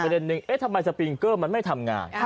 อีกประเด็นหนึ่งทำไมสปริงเกอร์มันไม่ทำงาน